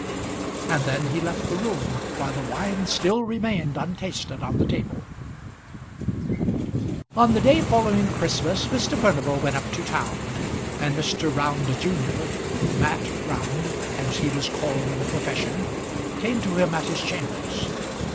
And then he left the room, while the wine still remained untasted on the table. [Illustration: "Why should I not?"] On the day following Christmas Mr. Furnival went up to town, and Mr. Round junior, Mat Round, as he was called in the profession, came to him at his chambers.